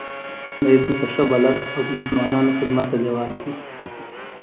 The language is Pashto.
دی دلته ښه بلد او د مسلمانانو خدمت ته لېواله دی.